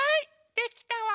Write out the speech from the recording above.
できたわ。